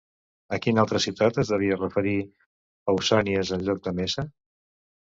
A quina altra ciutat es devia referir Pausànies, en lloc de Messa?